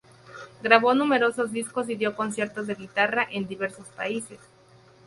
Grabó numerosos discos y dio conciertos de guitarra en diversos países.